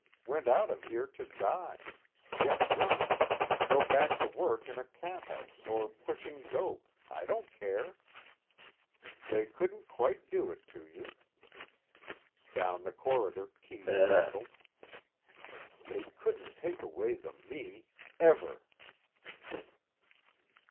Went out of here to die, get drunk, go back to work in a cathouse or pushing dope I don't care. They couldn't quite do it to you._ Down the corridor, keys rattled. _They couldn't take away the Me. Ever.